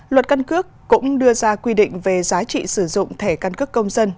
luật căn cước cũng đưa ra quy định về giá trị sử dụng thẻ căn cước công dân